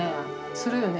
するよね？